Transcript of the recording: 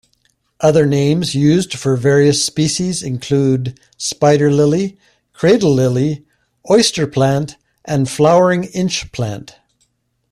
Other names used for various species include spider-lily, cradle-lily, oyster-plant and flowering inch plant.